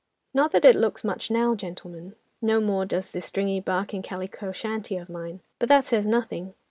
"Not that it looks much now, gentlemen; no more does this stringy bark and calico shanty of mine. But that says nothing.